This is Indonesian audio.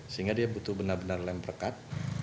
sehingga dia butuh benar benar lem perkat